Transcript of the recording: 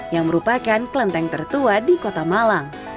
yang merupakan kelenteng tertua di kota malang